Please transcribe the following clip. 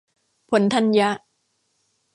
ผลธัญญะ